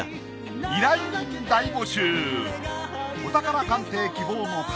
お宝鑑定希望の方